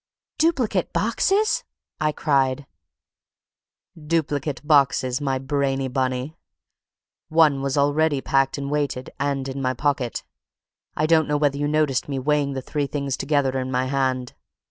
"Duplicate boxes!" I cried. "Duplicate boxes, my brainy Bunny. One was already packed and weighted, and in my pocket. I don't know whether you noticed me weighing the three things together in my hand?